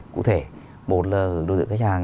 cụ thể một là hướng đối tượng khách hàng